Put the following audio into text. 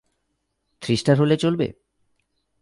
Three star হলে চলবে?